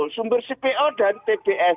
sumber cpo dan tbs